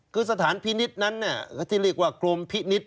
คือสถานพินิษฐ์นั้นที่เรียกว่ากรมพินิษฐ